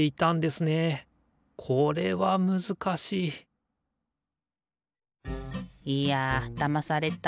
これはむずかしいいやだまされた。